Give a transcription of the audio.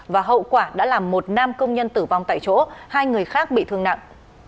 và hậu quả đã làm một nam công nhân tử vong tại chỗ hai người khác bị thương nặng